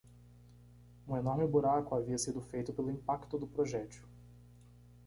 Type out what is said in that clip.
Um enorme buraco havia sido feito pelo impacto do projétil.